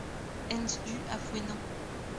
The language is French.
Hent Du à Fouesnant